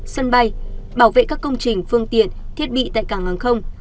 sân bay bảo vệ các công trình phương tiện thiết bị tại cảng hàng không